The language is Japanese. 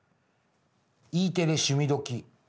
「Ｅテレ趣味どきっ！」。